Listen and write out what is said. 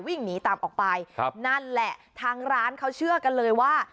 วิ่งหนีตามออกไปครับนั่นแหละทางร้านเขาเชื่อกันเลยว่า